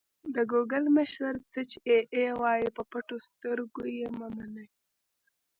د ګوګل مشر: څه چې اې ای وايي په پټو سترګو یې مه منئ.